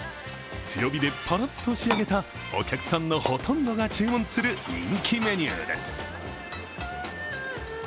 強火でぱらっと仕上げたお客さんのほとんどが注文する人気メニューです。